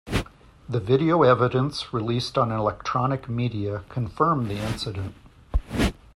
The video evidence released on electronic media confirmed the incident.